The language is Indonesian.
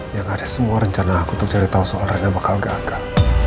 yang ada semua rencana aku untuk cari tahu soal rada bakal gagal